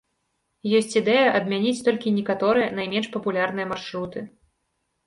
Ёсць ідэя адмяніць толькі некаторыя, найменш папулярныя маршруты.